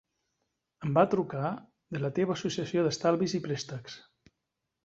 Em van trucar de la teva associació d'estalvis i préstecs.